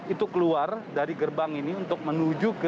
itu keluar dari gerbang ini untuk menunjukkan